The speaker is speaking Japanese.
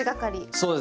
そうです